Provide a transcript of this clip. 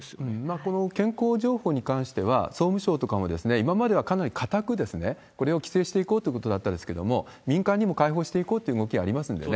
この健康情報に関しては、総務省とかは、今まではかなり固くこれを規制していこうということだったんですけれども、民間にも開放していこうっていう動きありますんでね。